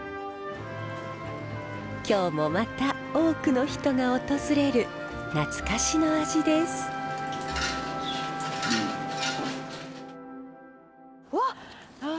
今日もまた多くの人が訪れる懐かしの味です。わ！